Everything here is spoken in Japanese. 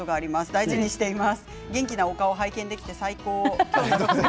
大事にしています。